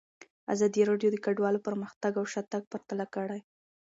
ازادي راډیو د کډوالو پرمختګ او شاتګ پرتله کړی.